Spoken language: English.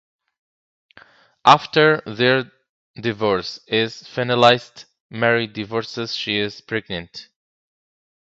After their divorce is finalized, Mary discovers she is pregnant.